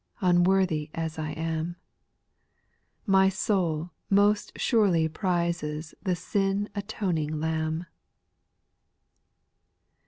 Unworthy as I am ; My soul most surely prizes The sin atoning Lamb.